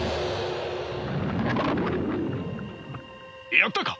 やったか？